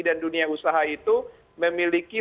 dan dunia usaha itu memiliki